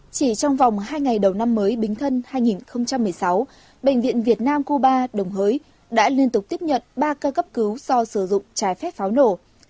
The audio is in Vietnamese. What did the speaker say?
chỉ trong vòng hai ngày đầu năm mới bính thân hai nghìn một mươi sáu bệnh viện việt nam cuba đồng hới đã liên tục tiếp nhận ba ca cấp cứu do sử dụng trái phép pháo nổ